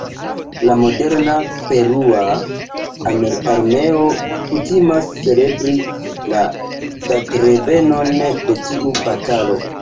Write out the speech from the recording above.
La moderna perua armeo kutimas celebri la datrevenon de tiu batalo.